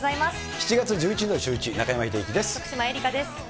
７月１１日のシューイチ、中山秀征です。